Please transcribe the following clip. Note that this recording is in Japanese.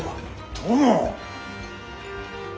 殿！